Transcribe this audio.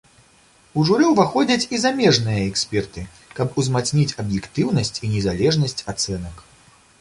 У журы ўваходзяць і замежныя эксперты, каб узмацніць аб'ектыўнасць і незалежнасць ацэнак.